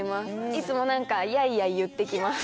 いつもなんか、やいやい言ってきます。